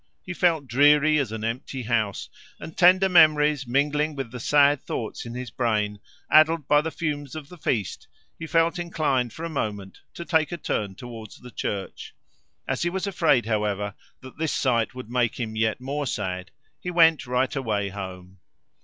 He felt dreary as an empty house; and tender memories mingling with the sad thoughts in his brain, addled by the fumes of the feast, he felt inclined for a moment to take a turn towards the church. As he was afraid, however, that this sight would make him yet more sad, he went right away home.